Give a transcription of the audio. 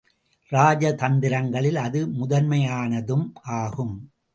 இராஜ தந்திரங்களில் அது முதன்மையானதும் ஆகும்.